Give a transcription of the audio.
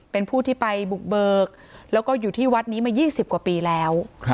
เป็นผู้ที่ไปบุกเบิกแล้วก็อยู่ที่วัดนี้มา๒๐กว่าปีแล้ว